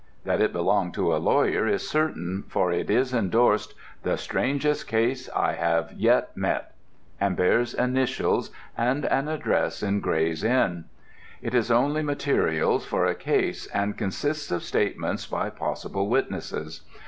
That it belonged to a lawyer is certain, for it is endorsed: The strangest case I have yet met, and bears initials, and an address in Gray's Inn. It is only materials for a case, and consists of statements by possible witnesses.